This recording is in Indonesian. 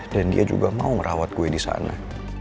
dan dia juga mau ngerawat gue di sana